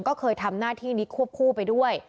ก็เคยทำหน้าที่นี้ควบคู่ไปด้วย